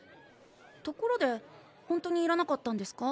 ところでほんとにいらなかったんですか？